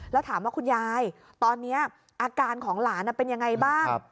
แล้วถามว่าคุณยายตอนนี้อาการของหลานเป็นยังไงบ้าง